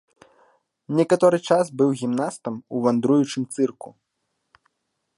Некаторы час быў гімнастам ў вандруючым цырку.